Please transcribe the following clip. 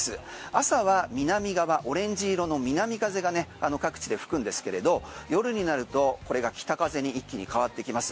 朝は南側、オレンジ色の南風が各地で吹くんですけれど夜になるとこれが北風に一気に変わってきます。